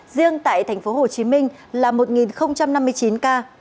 riêng tại thành phố hồ chí minh là một năm mươi chín ca